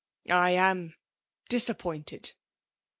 I am disappointed!